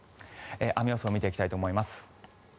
雨予想を見ていきたいと思います。